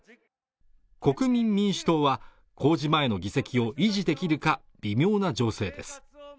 国民民主党は公示前の議席を維持できるか微妙な情勢です